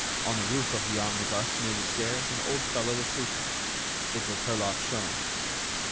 On the roof of the omnibus near the stairs an old fellow was sleeping; it was Herlock Sholmes.